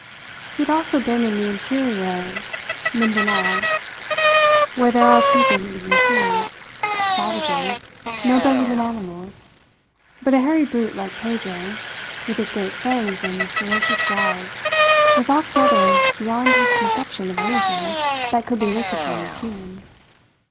He had also been in the interior of Mindanao, where there are people who live in trees savages, no better than animals; but a hairy brute like Pedro, with his great fangs and ferocious growls, was altogether beyond his conception of anything that could be looked upon as human.